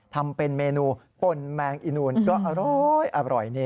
ทำเป็นเมนูปลนแมงอินูลก็อร้อยอร่อย